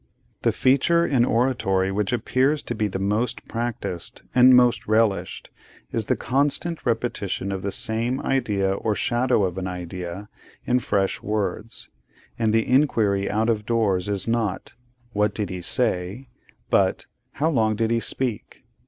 The feature in oratory which appears to be the most practised, and most relished, is the constant repetition of the same idea or shadow of an idea in fresh words; and the inquiry out of doors is not, 'What did he say?' but, 'How long did he speak?